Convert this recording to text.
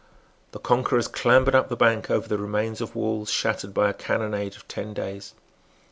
The conquerors clambered up the bank over the remains of walls shattered by a cannonade of ten days.